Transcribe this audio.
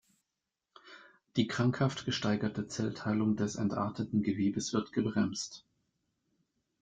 Die krankhaft gesteigerte Zellteilung des entarteten Gewebes wird gebremst.